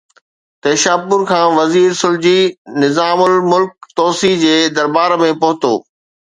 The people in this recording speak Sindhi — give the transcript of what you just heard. نيشاپور کان وزير سلجهي نظام الملڪ طوسي جي درٻار ۾ پهتو.